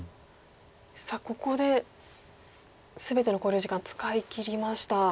さあここで全ての考慮時間使いきりました。